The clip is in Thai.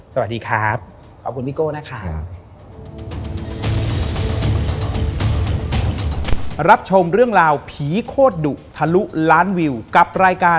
สวัสดีครับขอบคุณพี่โก้นะคะ